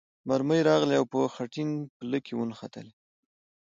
مرمۍ راغلې او په خټین پل کې ونښتلې.